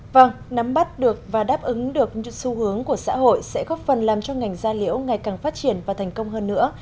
vâng nắm bắt được và đáp ứng được những xu hướng của xã hội sẽ góp phần làm cho ngành da liễu ngày càng phát triển và thành công hơn nữa